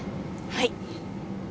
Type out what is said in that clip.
はい！